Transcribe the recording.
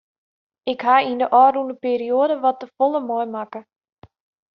Ik ha yn de ôfrûne perioade wat te folle meimakke.